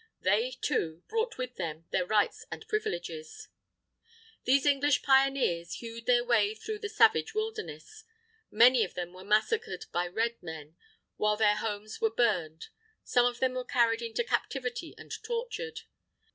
They, too, brought with them their rights and privileges. These English pioneers hewed their way through the savage wilderness. Many of them were massacred by Red Men, while their homes were burned; some of them were carried into captivity and tortured.